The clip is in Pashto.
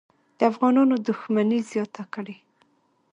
د افغانانو دښمني زیاته کړي.